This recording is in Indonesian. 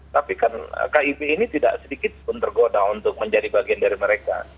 tapi kan kib ini tidak sedikit pun tergoda untuk menjadi bagian dari mereka